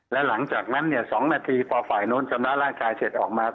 และหลังจากนั้นเนี่ย๒นาทีพอฝ่ายโน้นทำร้ายร่างกายเสร็จออกมา